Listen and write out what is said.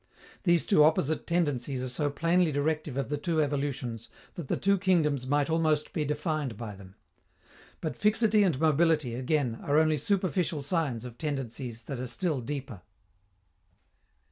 These two opposite tendencies are so plainly directive of the two evolutions that the two kingdoms might almost be defined by them. But fixity and mobility, again, are only superficial signs of tendencies that are still deeper.